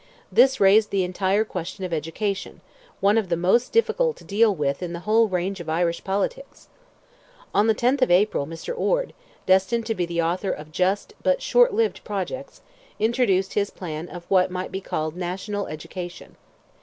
This raised the entire question of education, one of the most difficult to deal with in the whole range of Irish politics. On the 10th of April, Mr. Orde—destined to be the author of just, but short lived projects—introduced his plan of what might be called national education.